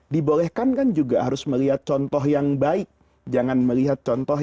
dibolehkan kan juga harus melihat contoh yang baik jangan melihat contoh